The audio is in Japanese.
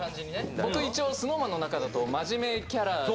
僕一応ＳｎｏｗＭａｎの中だと真面目キャラでして。